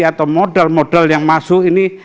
atau modal modal yang masuk ini